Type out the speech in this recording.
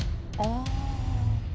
ああ。